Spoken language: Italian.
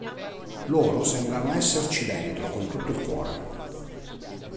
Loro sembrano esserci dentro con tutto il cuore".